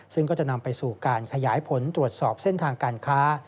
ซึ่งก็จะนำไปสู่การขยายผลตรวจสอบเส้นทางการค้า